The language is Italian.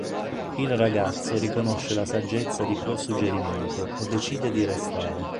Il ragazzo riconosce la saggezza di quel suggerimento e decide di restare.